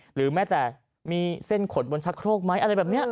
หรือแม่แต่มีเส้นขนบนชักโครกมั้ย